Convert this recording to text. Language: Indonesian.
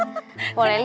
ya sekarang den